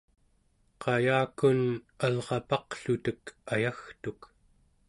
qayakun alrapaqlutek ayagtuk